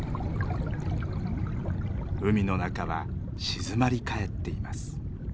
海の中は静まり返っています。